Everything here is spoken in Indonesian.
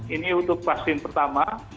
ini untuk vaksin pertama